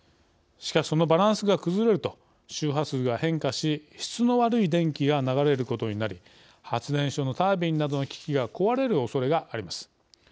しかし、そのバランスが崩れると周波数が変化し質の悪い電気が流れることになり発電所のタービンなどの機器が壊れるおそれがあります。